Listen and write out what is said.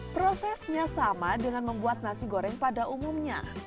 prosesnya sama dengan membuat nasi goreng pada umumnya